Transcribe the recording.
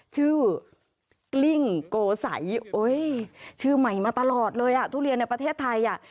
ชื่อกลิ้งโกสัยชื่อใหม่มาตลอดเลยอ่ะทุเรียนในประเทศไทยอ่ะ